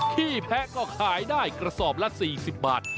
ที่แพะก็ขายได้กระสอบละ๔๐บาท